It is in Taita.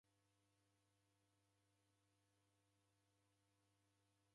Mghenyu ni vua.